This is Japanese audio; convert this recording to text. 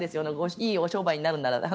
いいお商売になるなら。